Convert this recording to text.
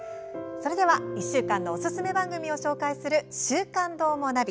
それでは１週間のおすすめ番組を紹介する「週刊どーもナビ」。